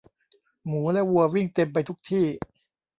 หมูและวัววิ่งเต็มไปทุกที่